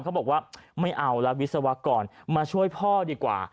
เขาบอกว่าไม่เอาแล้ววิศวกรมาช่วยพ่อดีกว่า